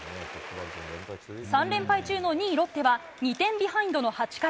３連敗中の２位ロッテは２点ビハインドの８回。